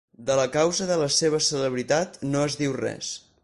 De la causa de la seva celebritat no es diu res.